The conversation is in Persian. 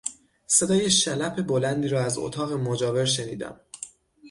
صدای شلپ بلندی را از اتاق مجاور شنیدم.